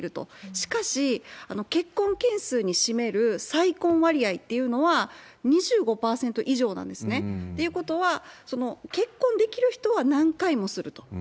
しかし、結婚件数に占める再婚割合っていうのは、２５％以上なんですね。っていうことは、結婚できる人は何回もすると。